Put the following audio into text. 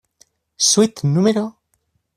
Suite No.